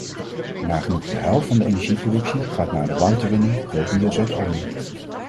Nagenoeg de helft van de energieproductie gaat naar de warmtewinning, grotendeels uit olie.